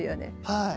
はい。